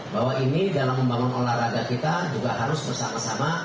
bahwa ini dalam membangun olahraga kita juga harus bersama sama